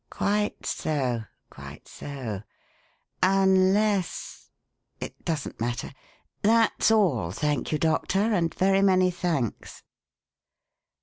"Quite so, quite so unless it doesn't matter. That's all, thank you, Doctor, and very many thanks."